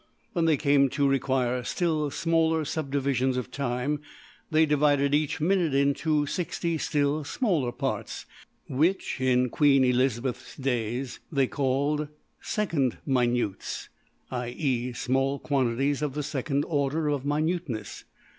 When they came to require still smaller subdivisions of time, they divided each minute into $60$ still smaller parts, which, in Queen Elizabeth's days, they called ``second minùtes''\DPnote{ TN:} (\IE~small quantities of the second order of minuteness).